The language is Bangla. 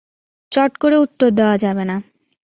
চট করে উত্তর দেওয়া যাবে না।